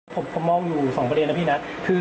ผมมองอยู่๒ประเด็นนะพี่นัท